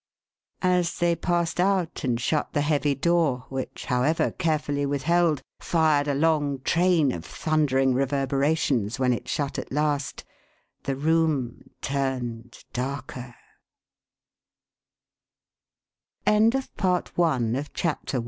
" As they passed out and shut the heavy door, which, however carefully withheld, fired a long train of thunder ing reverberations when it shut at last, the room turned